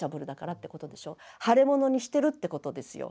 腫れ物にしてるってことですよ。